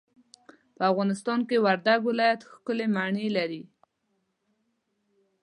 په افغانستان کي وردګ ولايت ښکلې مڼې لري.